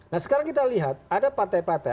nah sekarang kita lihat ada partai partai